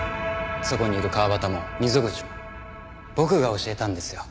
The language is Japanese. そこにいる川端も溝口も僕が教えたんですよ